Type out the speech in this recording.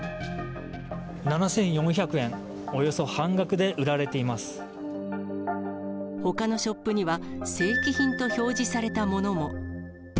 ７４００円、およそ半額で売ほかのショップには、正規品と表示されたものも。